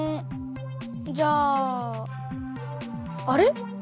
じゃああれ？